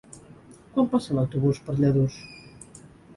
Quan passa l'autobús per Lladurs?